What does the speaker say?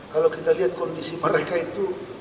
kalau kita lihat kondisi mereka itu